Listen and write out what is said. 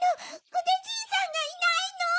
ふでじいさんがいないの！